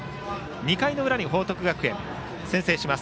２回裏に報徳学園、先制します。